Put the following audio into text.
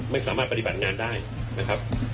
ไม่สามารถปฏิบัติงานได้นะครับ